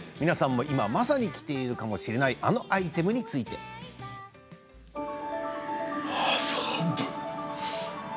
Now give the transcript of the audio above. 皆さんも今まさに着ているかもしれないあのアイテムについてです。